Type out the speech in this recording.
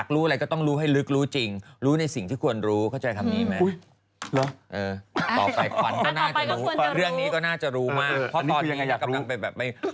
แค่นั้นละก็คือจบ